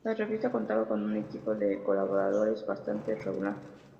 La revista contaba con un equipo de colaboradores bastante regular.